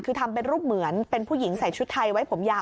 คือทำเป็นรูปเหมือนเป็นผู้หญิงใส่ชุดไทยไว้ผมยาว